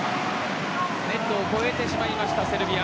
ネットを越えてしまいましたセルビア。